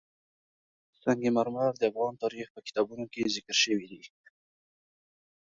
سنگ مرمر د افغان تاریخ په کتابونو کې ذکر شوی دي.